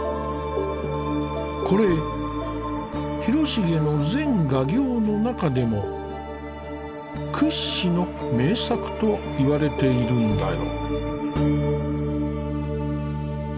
これ広重の全画業の中でも屈指の名作といわれているんだよ。